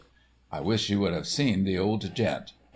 I wish you would have seen the old gent.